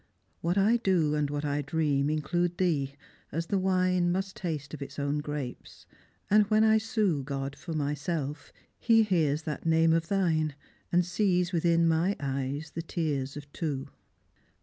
What I do And what I dream include thee, as the wine Must taste of its own grapes. And when I sue God for myself, He hears that name of thine. And sees within my eyes the tears of two."